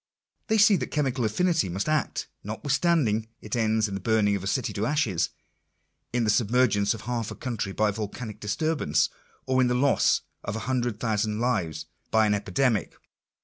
They see that chemical affinity must act, notwithstanding it ends in the burning of a city to ashes — in the submergence of half a country by volcanic disturbance — or in the loss of a hundred thousand lives by an epidemic.